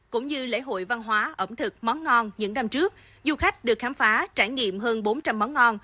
cũng như lễ hội văn hóa ẩm thực món ngon những năm trước du khách được khám phá trải nghiệm hơn bốn trăm linh món ngon